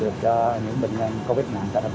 do các bệnh mạng do covid một mươi chín